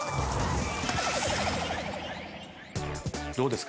どうですか？